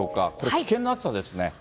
危険な暑さですね。